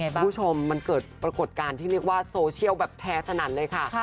คุณผู้ชมมันเกิดปรากฏการณ์ที่เรียกว่าโซเชียลแบบแชร์สนั่นเลยค่ะ